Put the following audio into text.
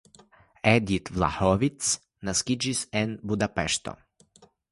Edit Vlahovics naskiĝis la en Budapeŝto.